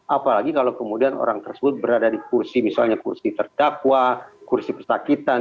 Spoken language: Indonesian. apalagi kalau kemudian orang tersebut berada di kursi misalnya kursi terdakwa kursi pesakitan